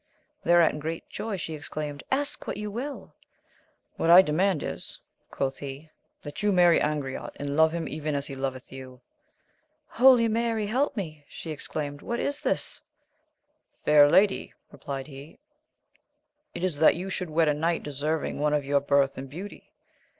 Thereat in great joy she exclaimed, ask what you will ! What I demand is, quoth he, that you marry Angriote, and ,love him even as he loveth you. Holy Mary, help me ! she ex claimed : what is this ? Fair lady, replied he, it is that you should wed a knight deserving one of your birth and beauty.